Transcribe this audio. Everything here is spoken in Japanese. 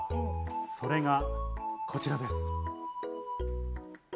それがこちらです。